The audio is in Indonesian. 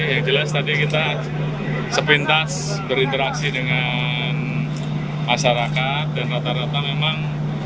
yang jelas tadi kita sepintas berinteraksi dengan masyarakat dan rata rata memang